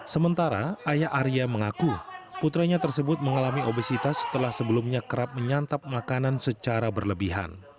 sementara ayah arya mengaku putranya tersebut mengalami obesitas setelah sebelumnya kerap menyantap makanan secara berlebihan